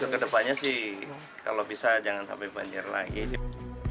ke depannya sih kalau bisa jangan sampai banjir lagi